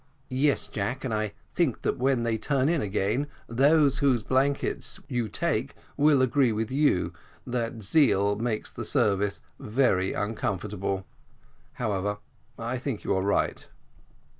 "Yes, Jack, and I think when they turn in again, those whose blankets you take will agree with you that zeal makes the service very uncomfortable. However, I think you are right."